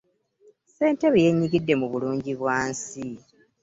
Ssentebe yeenyigidde mu bulungi bwansi.